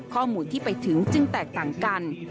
ข้อมูลที่ไปถึงจึงแตกต่างกัน